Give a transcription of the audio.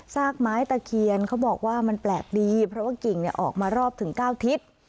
กไม้ตะเคียนเขาบอกว่ามันแปลกดีเพราะว่ากิ่งออกมารอบถึง๙ทิศ